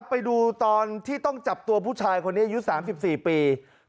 ไปดูตอนที่ต้องจับตัวผู้ชายคนนี้อายุ๓๔ปี